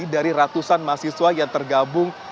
dari ratusan mahasiswa yang tergabung